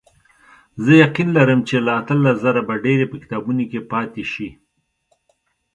زه یقین لرم چې له اتلس زره به ډېرې په کتابونو کې پاتې شي.